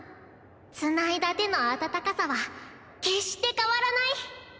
つないだ手の温かさは決して変わらない。